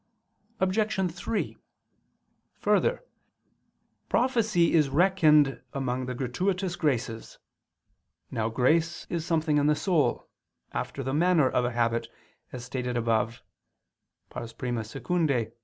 Obj. 3: Further, prophecy is reckoned among the gratuitous graces. Now grace is something in the soul, after the manner of a habit, as stated above (I II, Q.